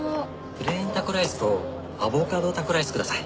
プレーンタコライスとアボカドタコライスください。